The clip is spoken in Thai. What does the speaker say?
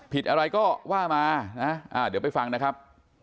ผิดอะไรก็ว่ามานะเดี๋ยวไปฟังนะครับ